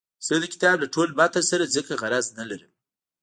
زه د کتاب له ټول متن سره ځکه غرض نه لرم.